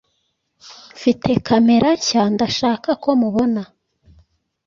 Mfite kamera nshya ndashaka ko mubona.